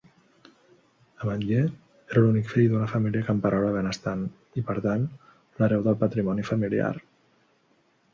Ametller era l'únic fill d'una família camperola benestant, i per tant, l'hereu del patrimoni familiar.